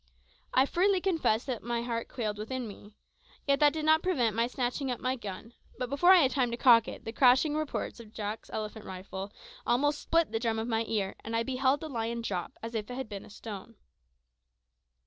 I freely confess that my heart quailed within me. Yet that did not prevent my snatching up my gun; but before I had time to cock it the crashing report of Jack's elephant rifle almost split the drum of my ear, and I beheld the lion drop as if it had been a stone.